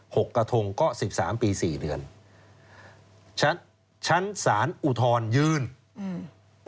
หกกระทงก็สิบสามปีสี่เดือนชั้นสารอุทรยืนอืม